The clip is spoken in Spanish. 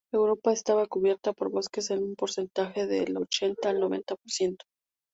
Europa estaba cubierta por bosques en un porcentaje del ochenta al noventa por ciento.